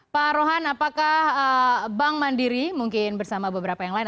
pak rohan apakah bank mandiri mungkin bersama beberapa yang lain